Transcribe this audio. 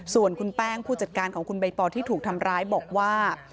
ส่วนคุณแป้งผู้จัดการของคุณใบปอที่ถูกทำร้ายบอกว่า